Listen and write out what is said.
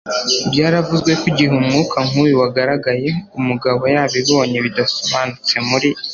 byaravuzwe ko igihe umwuka nkuyu wagaragaye, umugabo yabibonye bidasobanutse muri